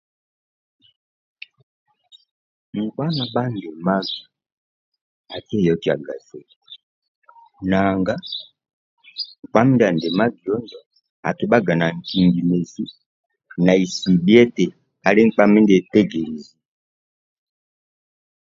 Nkpa nibhandimagi akieyokiaga zidhi nanga nkpa mindia andimagio njo akibhaga na ndiemesin naisi bhia eti ketegelezi